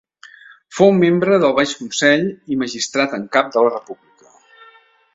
Fou membre del Baix Consell i magistrat en cap de la República.